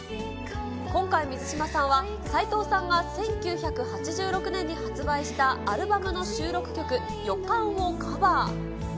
今回、水嶋さんは斉藤さんが１９８６年に発売したアルバムの収録曲、予感をカバー。